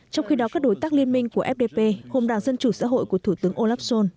trong khi đó các đối tác liên minh của fdp gồm đảng dân chủ xã hội của thủ tướng olaf schol